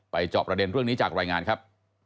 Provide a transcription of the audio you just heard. จอบประเด็นเรื่องนี้จากรายงานครับ